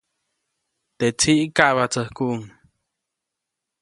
Teʼ tsiʼ kaʼbatsäjkuʼuŋ.